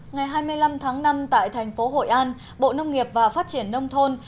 ngày hai mươi năm tháng năm tại thành phố hội an bộ nông nghiệp và phát triển nông thôn